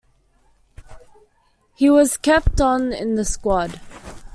He was kept on in the squad.